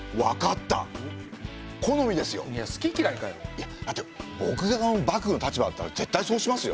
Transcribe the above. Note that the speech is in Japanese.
いやぼくが幕府の立場だったら絶対そうしますよ。